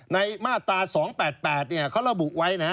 ในมาตรา๒๘๘เขาเล่าบุกไว้นะ